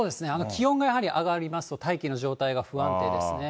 気温がやはり上がりますと、大気の状態が不安定ですね。